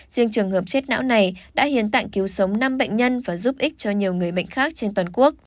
riêng trường hợp chết não này đã hiến tạng cứu sống năm bệnh nhân và giúp ích cho nhiều người bệnh khác trên toàn quốc